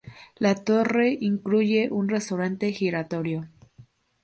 La torre incluye un restaurante giratorio.